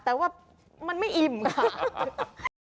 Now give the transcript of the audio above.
แต่ว่ามันไม่อิ่มค่ะ